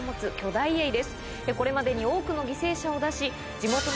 これまでに多くの犠牲者を出し。